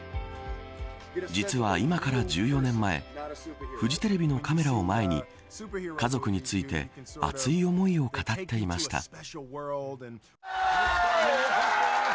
実は、今から１４年前フジテレビのカメラを前に家族について熱い思いを語っていました。